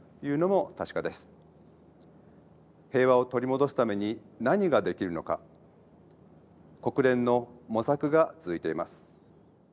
平和を取り戻すために何ができるのか国連の模索が続いています。